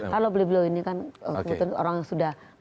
kalau beli beli ini kan orang sudah